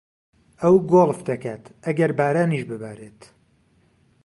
ئەو گۆڵف دەکات ئەگەر بارانیش ببارێت.